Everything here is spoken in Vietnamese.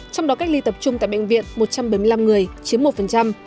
trong đó cách ly tập trung tại bệnh viện một trăm bảy mươi năm người chiếm một